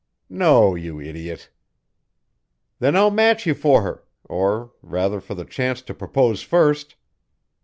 "No, you idiot." "Then I'll match you for her or rather for the chance to propose first."